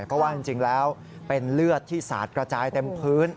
เพราะว่าจริงแล้วเป็นเลือดที่สาดกระจายเต็มพื้น